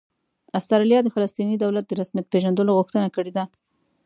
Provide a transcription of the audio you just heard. استرالیا د فلسطیني دولت د رسمیت پېژندلو غوښتنه کړې ده